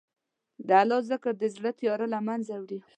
د الله ذکر د زړه تیاره له منځه وړي.